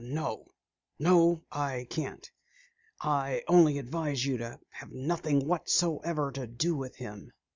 "No no, I can't. I only advise you to have nothing whatsoever to do with him."